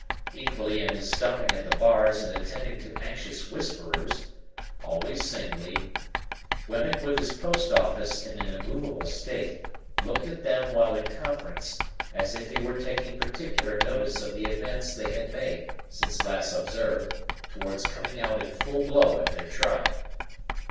Equally in his stopping at the bars and attending to anxious whisperers,—always singly,—Wemmick with his post office in an immovable state, looked at them while in conference, as if he were taking particular notice of the advance they had made, since last observed, towards coming out in full blow at their trial.